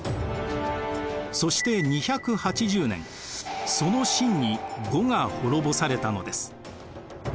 そして２８０年その晋に呉が滅ぼされたのです。